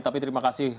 tapi terima kasih